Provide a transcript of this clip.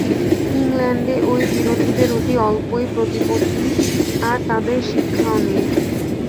ইংলণ্ডে ঐ বিরোধীদের অতি অল্পই প্রতিপত্তি, আর তাদের শিক্ষাও নেই।